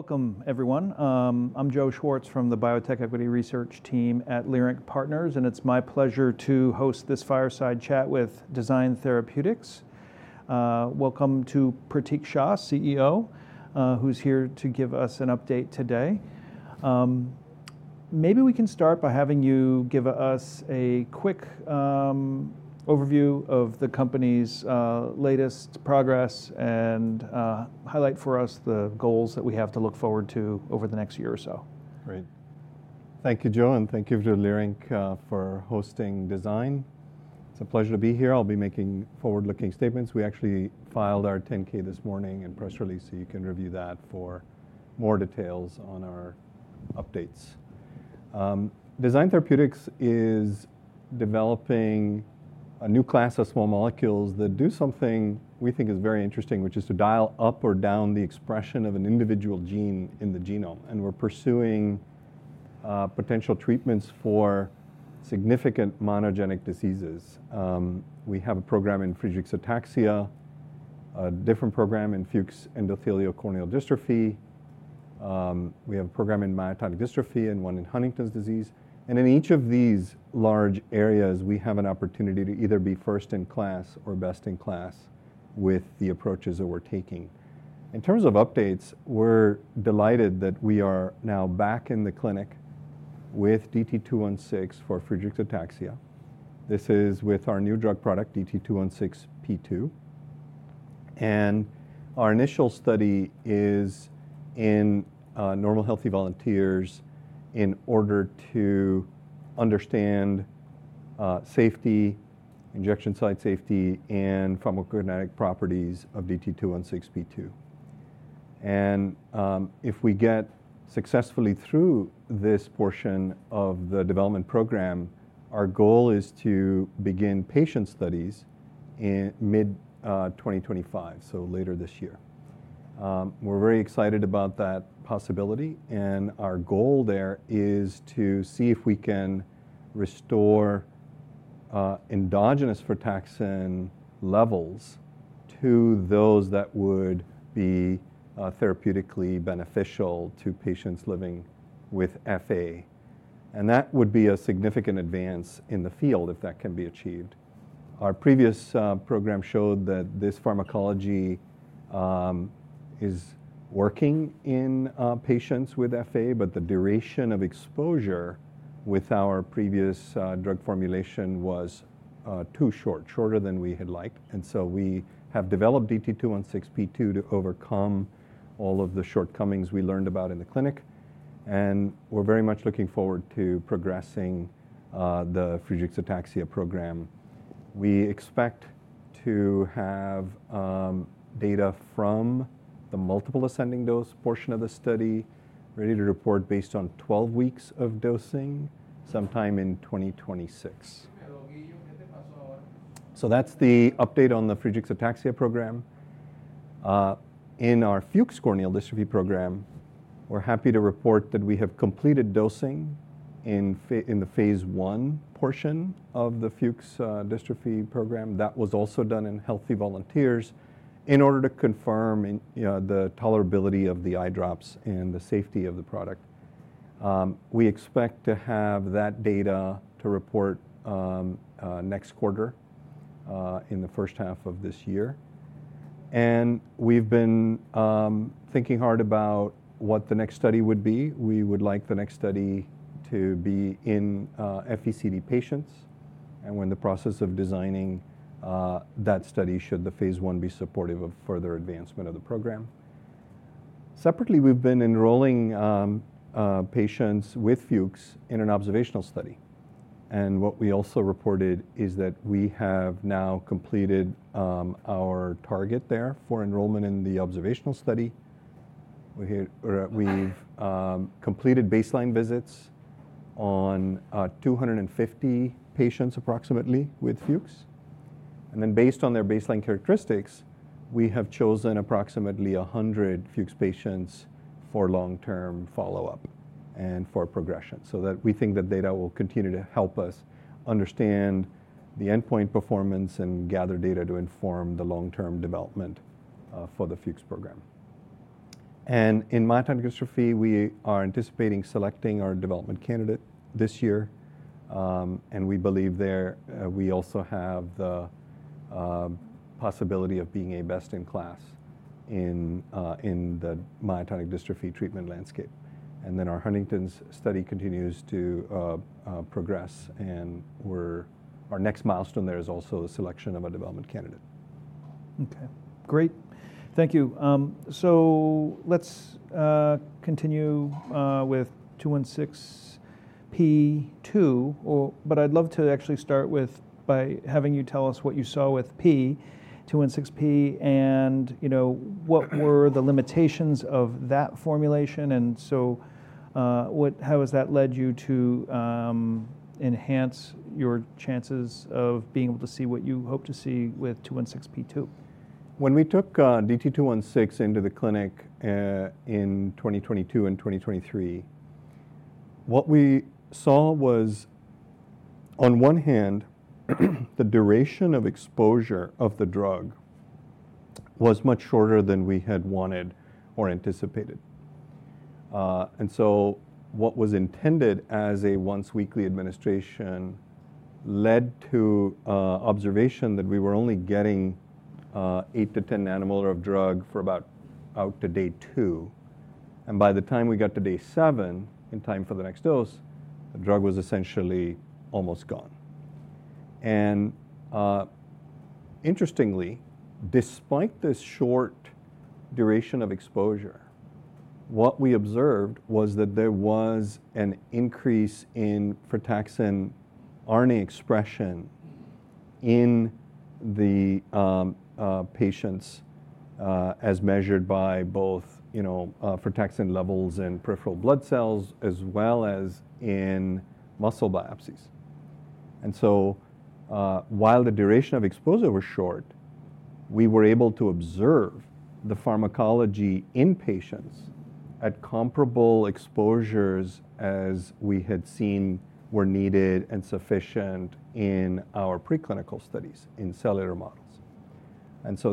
Welcome, everyone. I'm Joe Schwartz from the Biotech Equity Research Team at Leerink Partners, and it's my pleasure to host this fireside chat with Design Therapeutics. Welcome to Pratik Shah, CEO, who's here to give us an update today. Maybe we can start by having you give us a quick overview of the company's latest progress and highlight for us the goals that we have to look forward to over the next year or so. Great. Thank you, Joe, and thank you to Leerink for hosting Design. It's a pleasure to be here. I'll be making forward-looking statements. We actually filed our 10-K this morning and press release, so you can review that for more details on our updates. Design Therapeutics is developing a new class of small molecules that do something we think is very interesting, which is to dial up or down the expression of an individual gene in the genome. We're pursuing potential treatments for significant monogenic diseases. We have a program in Friedreich ataxia, a different program in Fuchs endothelial corneal dystrophy. We have a program in Myotonic Dystrophy and one in Huntington's disease. In each of these large areas, we have an opportunity to either be first in class or best in class with the approaches that we're taking. In terms of updates, we're delighted that we are now back in the clinic with DT-216 for Friedreich ataxia. This is with our new drug product, DT-216P2. Our initial study is in normal healthy volunteers in order to understand safety, injection site safety, and pharmacokinetic properties of DT-216P2. If we get successfully through this portion of the development program, our goal is to begin patient studies in mid-2025, so later this year. We're very excited about that possibility. Our goal there is to see if we can restore endogenous frataxin levels to those that would be therapeutically beneficial to patients living with FA. That would be a significant advance in the field if that can be achieved. Our previous program showed that this pharmacology is working in patients with Friedreich ataxia, but the duration of exposure with our previous drug formulation was too short, shorter than we had liked. We have developed DT-216P2 to overcome all of the shortcomings we learned about in the clinic. We are very much looking forward to progressing the Friedreich ataxia program. We expect to have data from the multiple ascending dose portion of the study ready to report based on 12 weeks of dosing sometime in 2026. That is the update on the Friedreich ataxia program. In our Fuchs endothelial corneal dystrophy program, we are happy to report that we have completed dosing in the phase I portion of the Fuchs endothelial corneal dystrophy program. That was also done in healthy volunteers in order to confirm the tolerability of the eye drops and the safety of the product. We expect to have that data to report next quarter in the first half of this year. We have been thinking hard about what the next study would be. We would like the next study to be in FECD patients. We are in the process of designing that study should the phase I be supportive of further advancement of the program. Separately, we have been enrolling patients with Fuchs in an observational study. What we also reported is that we have now completed our target there for enrollment in the observational study. We have completed baseline visits on approximately 250 patients with Fuchs. Based on their baseline characteristics, we have chosen approximately 100 Fuchs patients for long-term follow-up and for progression so that we think that data will continue to help us understand the endpoint performance and gather data to inform the long-term development for the Fuchs program. In myotonic dystrophy, we are anticipating selecting our development candidate this year. We believe there we also have the possibility of being a best in class in the myotonic dystrophy treatment landscape. Our Huntington's study continues to progress. Our next milestone there is also the selection of a development candidate. Okay. Great. Thank you. Let's continue with 216P2. I'd love to actually start with having you tell us what you saw with DT-216 and what were the limitations of that formulation. How has that led you to enhance your chances of being able to see what you hope to see with 216P2? When we took DT-216 into the clinic in 2022 and 2023, what we saw was, on one hand, the duration of exposure of the drug was much shorter than we had wanted or anticipated. What was intended as a once-weekly administration led to observation that we were only getting 8-10 nanomolar of drug for about out to day two. By the time we got to day seven, in time for the next dose, the drug was essentially almost gone. Interestingly, despite this short duration of exposure, what we observed was that there was an increase in frataxin RNA expression in the patients as measured by both frataxin levels in peripheral blood cells as well as in muscle biopsies. While the duration of exposure was short, we were able to observe the pharmacology in patients at comparable exposures as we had seen were needed and sufficient in our preclinical studies in cellular models.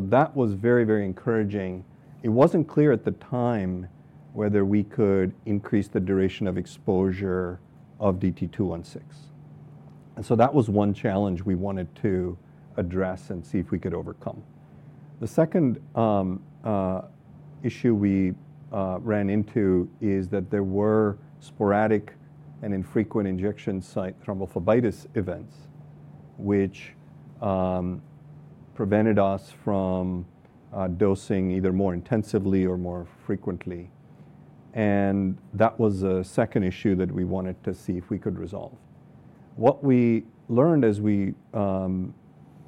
That was very, very encouraging. It was not clear at the time whether we could increase the duration of exposure of DT-216. That was one challenge we wanted to address and see if we could overcome. The second issue we ran into is that there were sporadic and infrequent injection site thrombophlebitis events, which prevented us from dosing either more intensively or more frequently. That was a second issue that we wanted to see if we could resolve. What we learned as we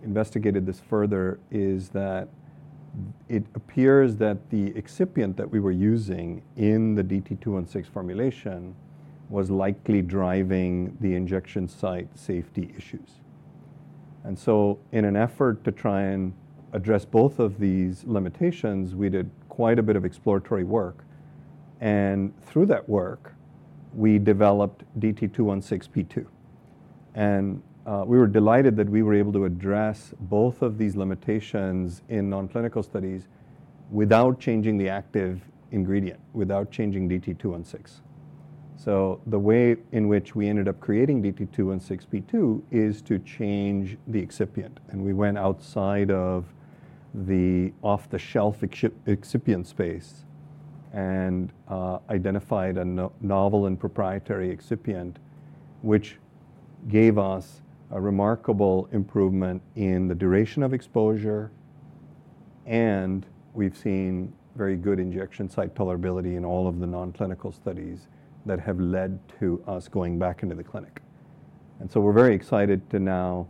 investigated this further is that it appears that the excipient that we were using in the DT-216 formulation was likely driving the injection site safety issues. In an effort to try and address both of these limitations, we did quite a bit of exploratory work. Through that work, we developed DT-216P2. We were delighted that we were able to address both of these limitations in nonclinical studies without changing the active ingredient, without changing DT-216. The way in which we ended up creating DT-216P2 is to change the excipient. We went outside of the off-the-shelf excipient space and identified a novel and proprietary excipient, which gave us a remarkable improvement in the duration of exposure. We have seen very good injection site tolerability in all of the nonclinical studies that have led to us going back into the clinic. We are very excited to now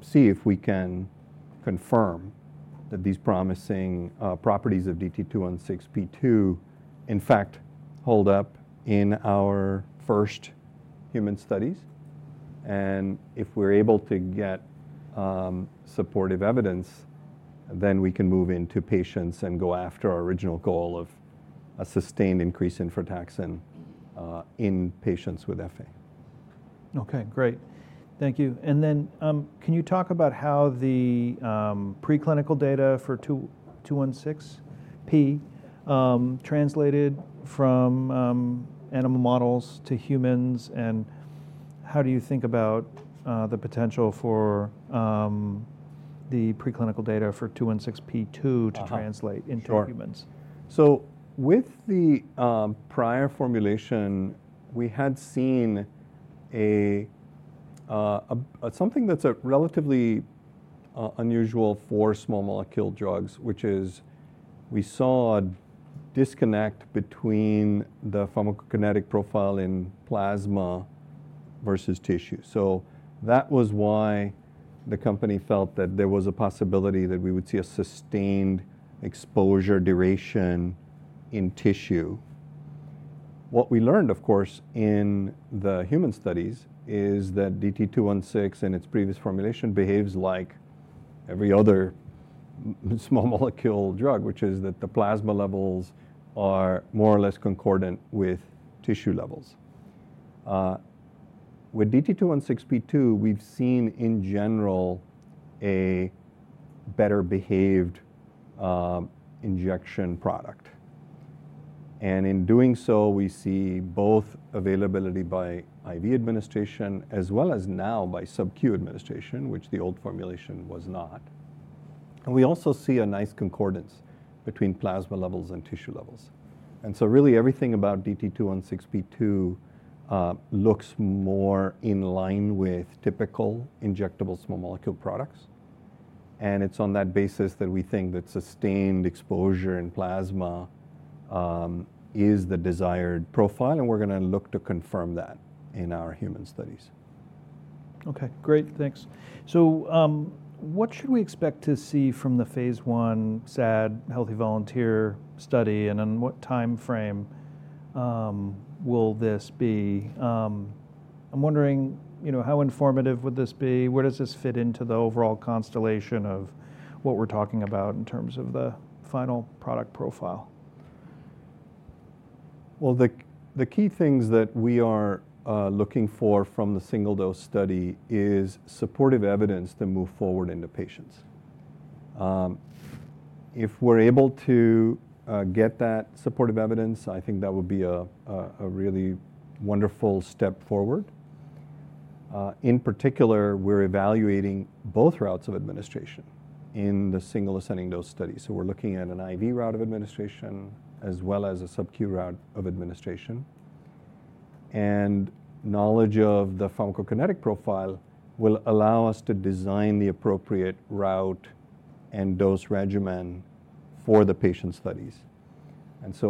see if we can confirm that these promising properties of DT-216P2, in fact, hold up in our first human studies. If we're able to get supportive evidence, then we can move into patients and go after our original goal of a sustained increase in frataxin in patients with FA. Okay. Great. Thank you. Can you talk about how the preclinical data for 216P translated from animal models to humans? How do you think about the potential for the preclinical data for 216P2 to translate into humans? With the prior formulation, we had seen something that's relatively unusual for small molecule drugs, which is we saw a disconnect between the pharmacokinetic profile in plasma versus tissue. That was why the company felt that there was a possibility that we would see a sustained exposure duration in tissue. What we learned, of course, in the human studies is that DT-216 and its previous formulation behaves like every other small molecule drug, which is that the plasma levels are more or less concordant with tissue levels. With DT-216P2, we've seen in general a better-behaved injection product. In doing so, we see both availability by IV administration as well as now by Sub-Q administration, which the old formulation was not. We also see a nice concordance between plasma levels and tissue levels. Really everything about DT-216P2 looks more in line with typical injectable small molecule products. It is on that basis that we think that sustained exposure in plasma is the desired profile. We are going to look to confirm that in our human studies. Okay. Great. Thanks. What should we expect to see from the phase I SAD Healthy Volunteer study? What time frame will this be? I'm wondering how informative would this be? Where does this fit into the overall constellation of what we're talking about in terms of the final product profile? The key things that we are looking for from the single-dose study is supportive evidence to move forward into patients. If we're able to get that supportive evidence, I think that would be a really wonderful step forward. In particular, we're evaluating both routes of administration in the single ascending dose study. We are looking at an IV route of administration as well as a Sub-Q route of administration. Knowledge of the pharmacokinetic profile will allow us to design the appropriate route and dose regimen for the patient studies.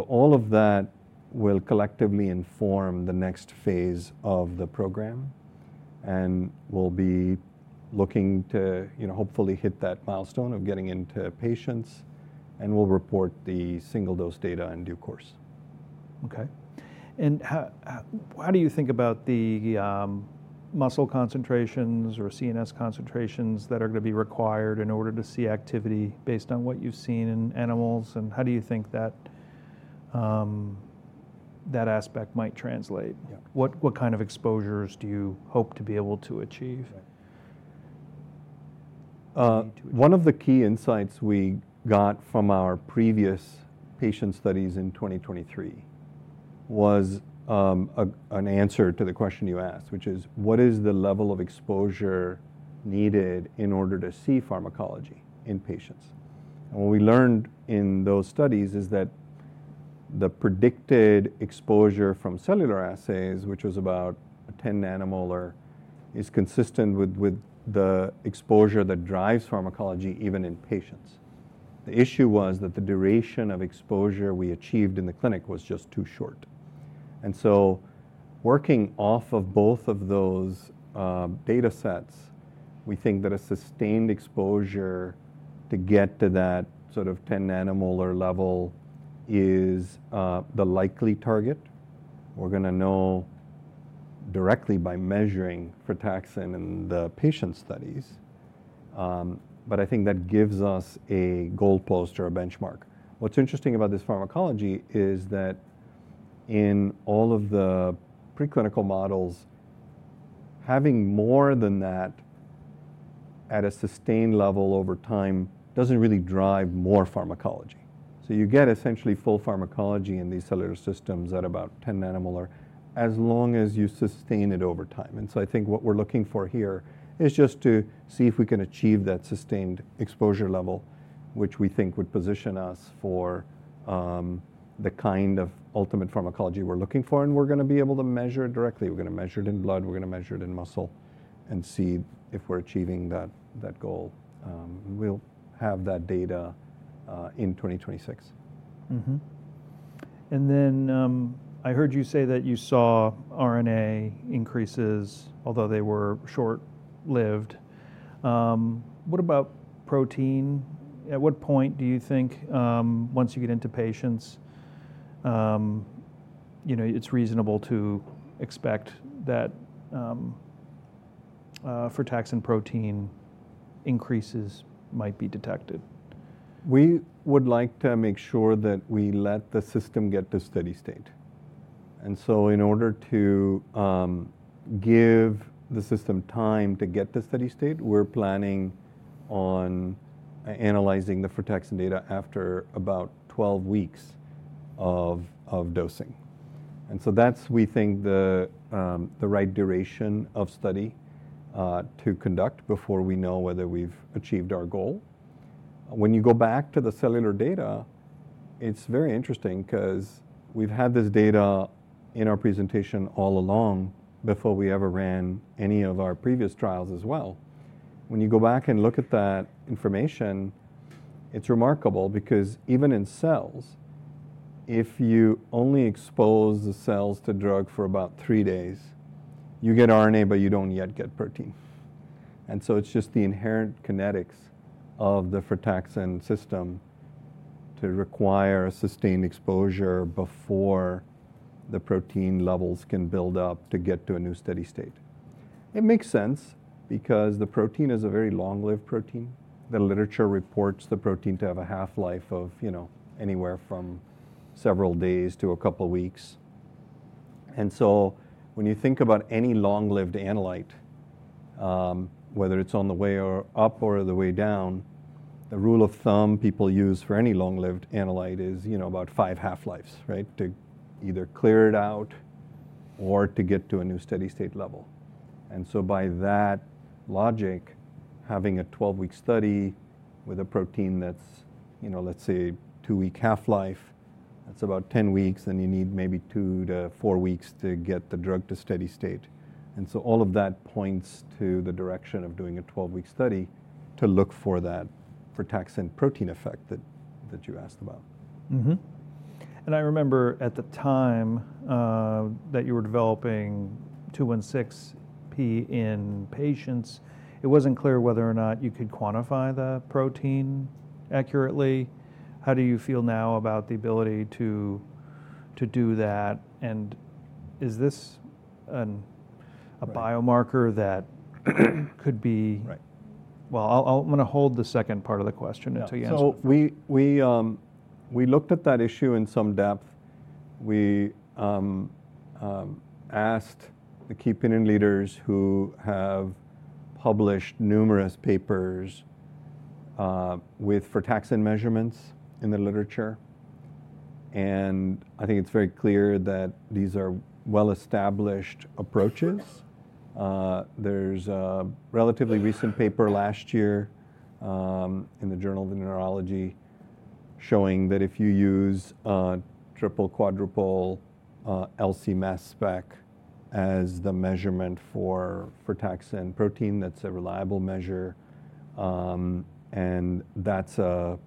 All of that will collectively inform the next phase of the program. We will be looking to hopefully hit that milestone of getting into patients. We will report the single-dose data in due course. Okay. How do you think about the muscle concentrations or CNS concentrations that are going to be required in order to see activity based on what you've seen in animals? How do you think that aspect might translate? What kind of exposures do you hope to be able to achieve? One of the key insights we got from our previous patient studies in 2023 was an answer to the question you asked, which is what is the level of exposure needed in order to see pharmacology in patients? What we learned in those studies is that the predicted exposure from cellular assays, which was about 10 nanomolar, is consistent with the exposure that drives pharmacology even in patients. The issue was that the duration of exposure we achieved in the clinic was just too short. Working off of both of those data sets, we think that a sustained exposure to get to that sort of 10 nanomolar level is the likely target. We're going to know directly by measuring frataxin in the patient studies. I think that gives us a goalpost or a benchmark. What's interesting about this pharmacology is that in all of the preclinical models, having more than that at a sustained level over time doesn't really drive more pharmacology. You get essentially full pharmacology in these cellular systems at about 10 nanomolar as long as you sustain it over time. I think what we're looking for here is just to see if we can achieve that sustained exposure level, which we think would position us for the kind of ultimate pharmacology we're looking for. We're going to be able to measure it directly. We're going to measure it in blood. We're going to measure it in muscle and see if we're achieving that goal. We'll have that data in 2026. I heard you say that you saw RNA increases, although they were short-lived. What about protein? At what point do you think once you get into patients, it's reasonable to expect that frataxin protein increases might be detected? We would like to make sure that we let the system get to steady state. In order to give the system time to get to steady state, we're planning on analyzing the frataxin data after about 12 weeks of dosing. That's, we think, the right duration of study to conduct before we know whether we've achieved our goal. When you go back to the cellular data, it's very interesting because we've had this data in our presentation all along before we ever ran any of our previous trials as well. When you go back and look at that information, it's remarkable because even in cells, if you only expose the cells to drug for about three days, you get RNA, but you don't yet get protein. It is just the inherent kinetics of the frataxin system to require sustained exposure before the protein levels can build up to get to a new steady state. It makes sense because the protein is a very long-lived protein. The literature reports the protein to have a half-life of anywhere from several days to a couple of weeks. When you think about any long-lived analyte, whether it is on the way up or the way down, the rule of thumb people use for any long-lived analyte is about five half-lives, right, to either clear it out or to get to a new steady state level. By that logic, having a 12-week study with a protein that is, let's say, two-week half-life, that is about 10 weeks. You need maybe two to four weeks to get the drug to steady state. All of that points to the direction of doing a 12-week study to look for that frataxin protein effect that you asked about. I remember at the time that you were developing 216P in patients, it wasn't clear whether or not you could quantify the protein accurately. How do you feel now about the ability to do that? Is this a biomarker that could be? I'm going to hold the second part of the question until you answer it. We looked at that issue in some depth. We asked the key opinion leaders who have published numerous papers with frataxin measurements in the literature. I think it's very clear that these are well-established approaches. There's a relatively recent paper last year in the Journal of Neurology showing that if you use triple quadrupole LC mass spec as the measurement for frataxin protein, that's a reliable measure. That's a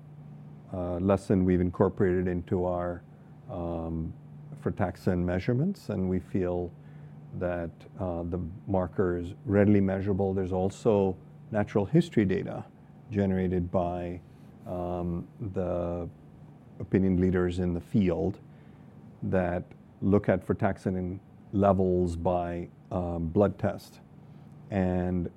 lesson we've incorporated into our frataxin measurements. We feel that the marker is readily measurable. There's also natural history data generated by the opinion leaders in the field that look at frataxin levels by blood test and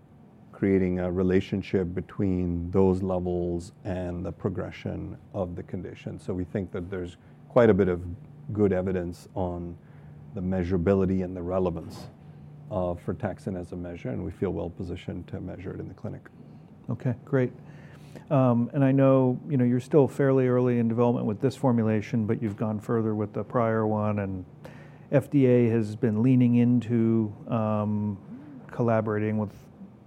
creating a relationship between those levels and the progression of the condition. We think that there's quite a bit of good evidence on the measurability and the relevance of frataxin as a measure. We feel well-positioned to measure it in the clinic. Okay. Great. I know you're still fairly early in development with this formulation, but you've gone further with the prior one. FDA has been leaning into collaborating with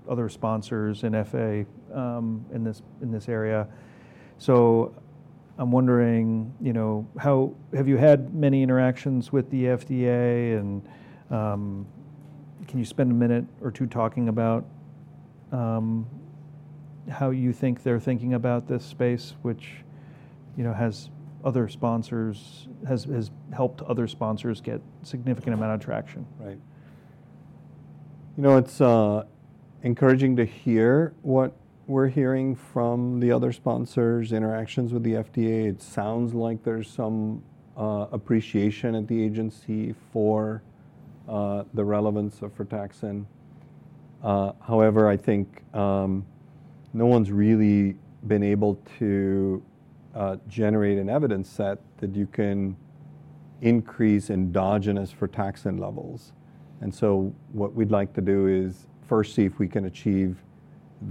other sponsors in FA in this area. I'm wondering, have you had many interactions with the FDA? Can you spend a minute or two talking about how you think they're thinking about this space, which has helped other sponsors get a significant amount of traction? Right. You know, it's encouraging to hear what we're hearing from the other sponsors, interactions with the FDA. It sounds like there's some appreciation at the agency for the relevance of frataxin. However, I think no one's really been able to generate an evidence set that you can increase endogenous frataxin levels. And so what we'd like to do is first see if we can achieve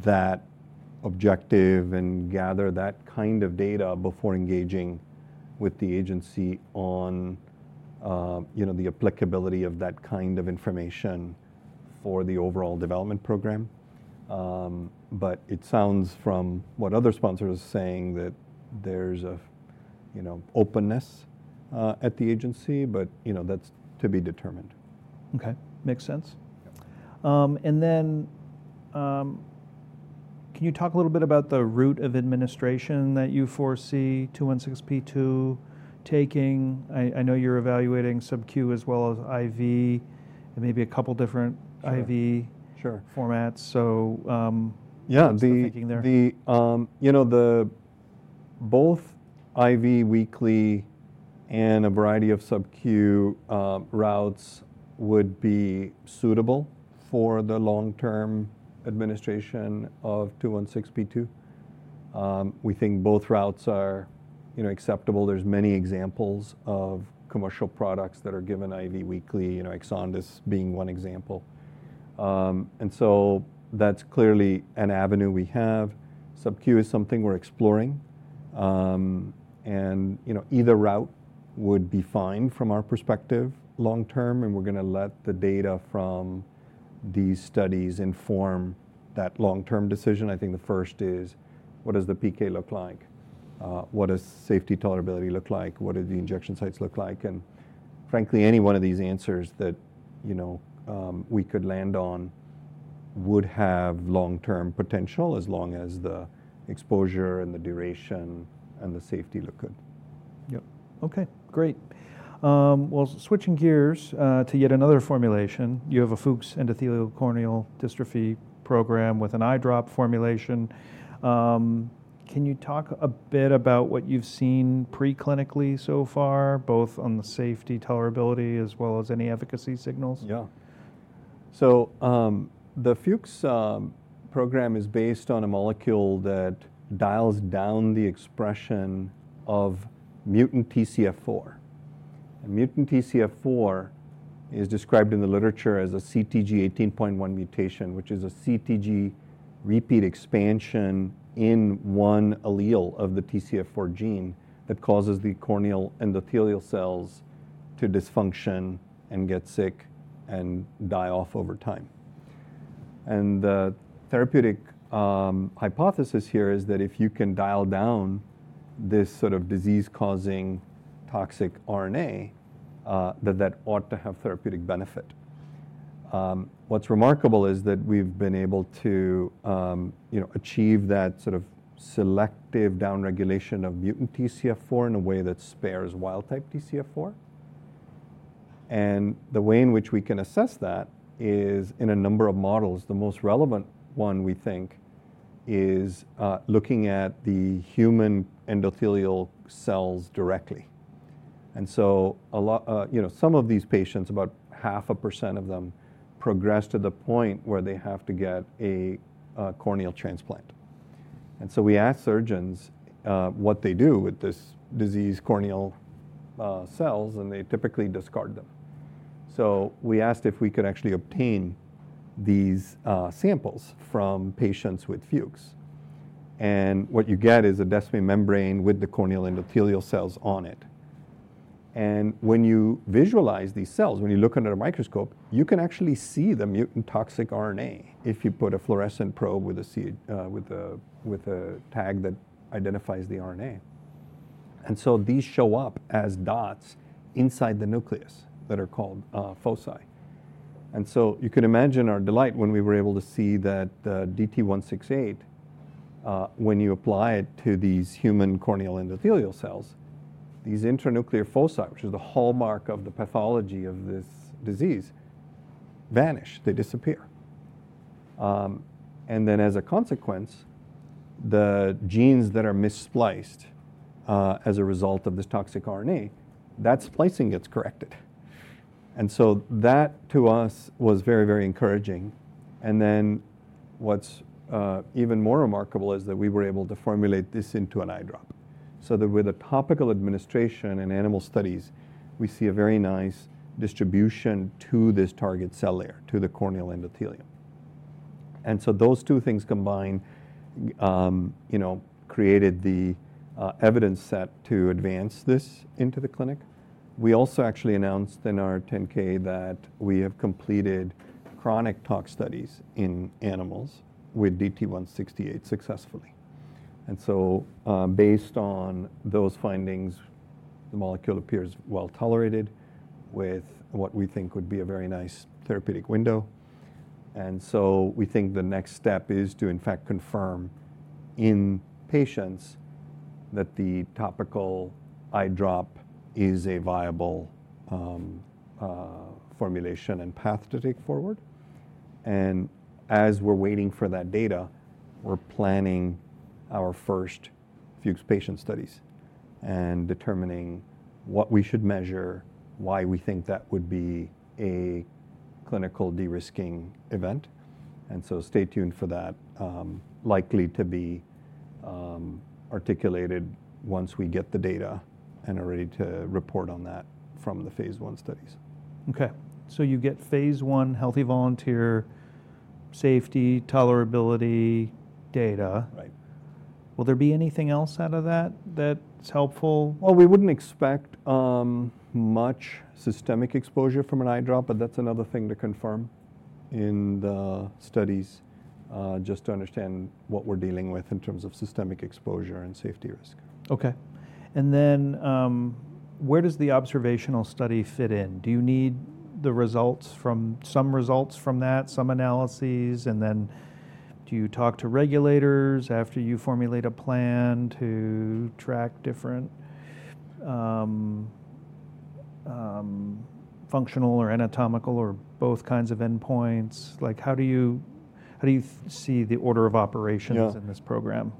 that objective and gather that kind of data before engaging with the agency on the applicability of that kind of information for the overall development program. It sounds from what other sponsors are saying that there's an openness at the agency. That's to be determined. Okay. Makes sense. Can you talk a little bit about the route of administration that you foresee 216P2 taking? I know you're evaluating Sub-Q as well as IV and maybe a couple of different IV formats. What's your take there? Yeah. Both IV weekly and a variety of Sub-Q routes would be suitable for the long-term administration of 216P2. We think both routes are acceptable. There's many examples of commercial products that are given IV weekly, EXONDYS being one example. That's clearly an avenue we have. Sub-Q is something we're exploring. Either route would be fine from our perspective long-term. We're going to let the data from these studies inform that long-term decision. I think the first is what does the PK look like? What does safety tolerability look like? What do the injection sites look like? Frankly, any one of these answers that we could land on would have long-term potential as long as the exposure and the duration and the safety look good. Yep. Okay. Great. Switching gears to yet another formulation. You have a Fuchs Endothelial Corneal Dystrophy program with an eye drop formulation. Can you talk a bit about what you've seen preclinically so far, both on the safety tolerability as well as any efficacy signals? Yeah. The Fuchs program is based on a molecule that dials down the expression of mutant TCF4. Mutant TCF4 is described in the literature as a CTG18.1 mutation, which is a CTG repeat expansion in one allele of the TCF4 gene that causes the corneal endothelial cells to dysfunction and get sick and die off over time. The therapeutic hypothesis here is that if you can dial down this sort of disease-causing toxic RNA, that ought to have therapeutic benefit. What's remarkable is that we've been able to achieve that sort of selective downregulation of mutant TCF4 in a way that spares wild-type TCF4. The way in which we can assess that is in a number of models. The most relevant one, we think, is looking at the human endothelial cells directly. Some of these patients, about 0.5% of them, progress to the point where they have to get a corneal transplant. We asked surgeons what they do with these diseased corneal cells. They typically discard them. We asked if we could actually obtain these samples from patients with Fuchs. What you get is a desiccated membrane with the corneal endothelial cells on it. When you visualize these cells, when you look under a microscope, you can actually see the mutant toxic RNA if you put a fluorescent probe with a tag that identifies the RNA. These show up as dots inside the nucleus that are called foci. You could imagine our delight when we were able to see that the DT-168, when you apply it to these human corneal endothelial cells, these intranuclear foci, which is the hallmark of the pathology of this disease, vanish. They disappear. As a consequence, the genes that are misspliced as a result of this toxic RNA, that splicing gets corrected. That to us was very, very encouraging. What is even more remarkable is that we were able to formulate this into an eye drop so that with a topical administration in animal studies, we see a very nice distribution to this target cell layer, to the corneal endothelium. Those two things combined created the evidence set to advance this into the clinic. We also actually announced in our 10-K that we have completed chronic tox studies in animals with DT-168 successfully. Based on those findings, the molecule appears well tolerated with what we think would be a very nice therapeutic window. We think the next step is to, in fact, confirm in patients that the topical eye drop is a viable formulation and path to take forward. As we're waiting for that data, we're planning our first Fuchs patient studies and determining what we should measure, why we think that would be a clinical de-risking event. Stay tuned for that, likely to be articulated once we get the data and are ready to report on that from the phase I studies. Okay. You get phase I healthy volunteer safety tolerability data. Right. Will there be anything else out of that that's helpful? We would not expect much systemic exposure from an eye drop. That is another thing to confirm in the studies just to understand what we are dealing with in terms of systemic exposure and safety risk. Okay. Where does the observational study fit in? Do you need some results from that, some analyses? Do you talk to regulators after you formulate a plan to track different functional or anatomical or both kinds of endpoints? How do you see the order of operations in this program?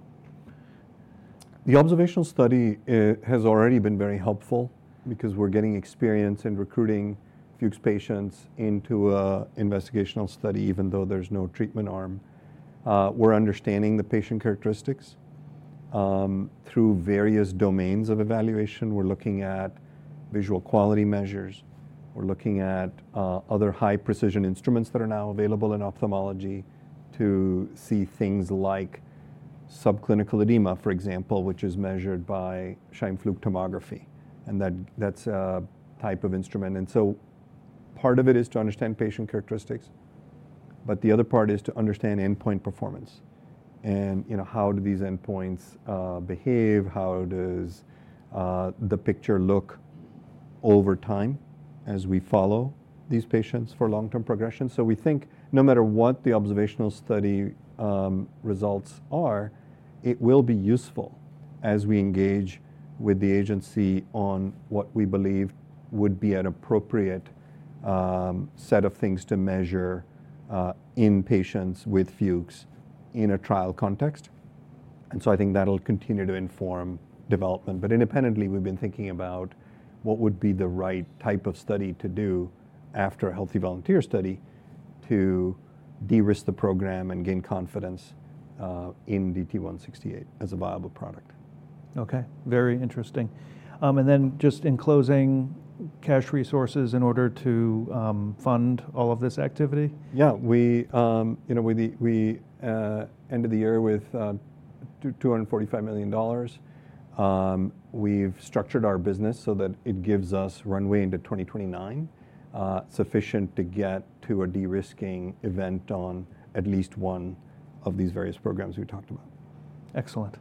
The observational study has already been very helpful because we're getting experience in recruiting Fuchs patients into an investigational study, even though there's no treatment arm. We're understanding the patient characteristics through various domains of evaluation. We're looking at visual quality measures. We're looking at other high-precision instruments that are now available in ophthalmology to see things like subclinical edema, for example, which is measured by Scheimpflug tomography. That is a type of instrument. Part of it is to understand patient characteristics. The other part is to understand endpoint performance. How do these endpoints behave? How does the picture look over time as we follow these patients for long-term progression? We think no matter what the observational study results are, it will be useful as we engage with the agency on what we believe would be an appropriate set of things to measure in patients with Fuchs in a trial context. I think that'll continue to inform development. Independently, we've been thinking about what would be the right type of study to do after a healthy volunteer study to de-risk the program and gain confidence in DT-168 as a viable product. Okay. Very interesting. Just in closing, cash resources in order to fund all of this activity? Yeah. We ended the year with $245 million. We've structured our business so that it gives us runway into 2029 sufficient to get to a de-risking event on at least one of these various programs we talked about. Excellent.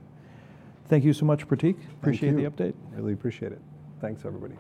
Thank you so much, Pratik. Appreciate the update. Thank you. Really appreciate it. Thanks, everybody.